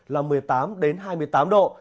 là một mươi tám hai mươi tám độ